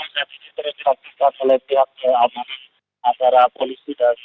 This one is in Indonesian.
kita masih dalam pencarian